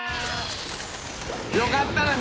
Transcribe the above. よかったな。